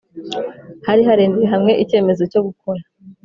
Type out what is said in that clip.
Hari harenze hamwe icyemezo cyo gukora